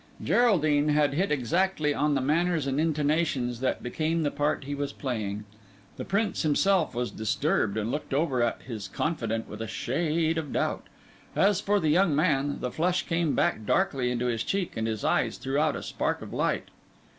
Geraldine had hit exactly on the manners and intonations that became the part he was playing. The Prince himself was disturbed, and looked over at his confidant with a shade of doubt. As for the young man, the flush came back darkly into his cheek, and his eyes threw out a spark of light.